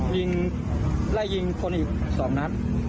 ยิงแล้วยิงคนอีกสองนะ